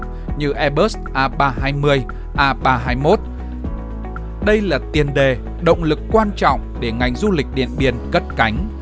như airbus a ba trăm hai mươi a ba trăm hai mươi một đây là tiền đề động lực quan trọng để ngành du lịch điện biên cất cánh